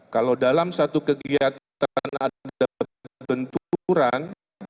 kalau dalam satu kegiatan ada benturan